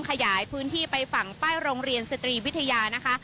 ขยายพื้นที่ไปฝั่งป้ายโรงเรียนสตรีวิทยานะคะ